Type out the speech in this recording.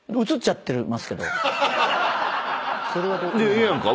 ええやんか。